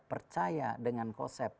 percaya dengan konsep